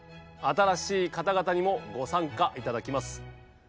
新しい方々にもご参加いただきます。